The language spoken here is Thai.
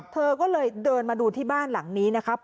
เธอก็เลยเดินมาดูที่บ้านหลังนี้นะครับ